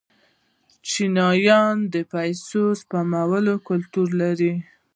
چینایان د پیسو سپمولو کلتور لري.